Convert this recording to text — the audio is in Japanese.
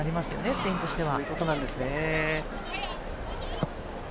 スペインとしては。